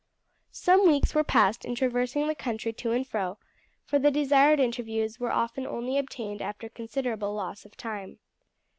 Some weeks were passed in traversing the country to and fro, for the desired interviews were often only obtained after considerable loss of time.